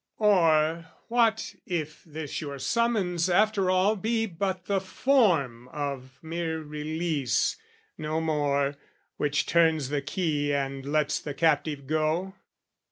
Or what if this your summons, after all, Be but the form of mere release, no more, Which turns the key and lets the captive go?